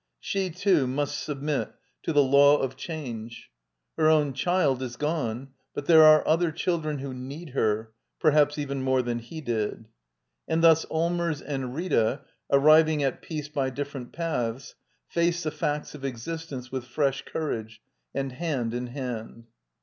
She, too, must submit to the law of \ xiu d by Google INTRODUCTION <^ I change. Her own child is gone, but there are other /children who need her, perhaps even more than he ^ did. And thus Allmers and Rita, arriving at peace by different paths, face the facts of existence with fresh courage, and hand in hand.